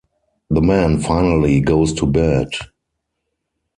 The man finally goes to bed.